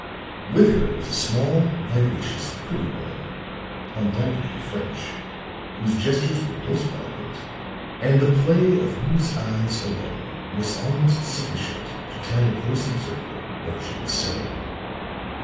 With her was a small, vivacious, pretty woman, undoubtedly French, whose gestures were most eloquent and the play of whose eyes alone was almost sufficient to tell a close observer what she was saying.